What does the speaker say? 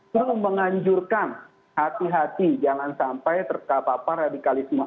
terus menganjurkan hati hati jangan sampai terkapah papah radikalisme